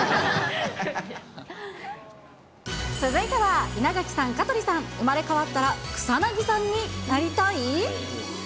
続いては、稲垣さん、香取さん、生まれ変わったら草なぎさんになりたい？